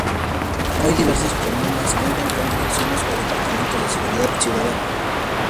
Hoy diversas comunas cuentan con direcciones o departamentos de seguridad ciudadana.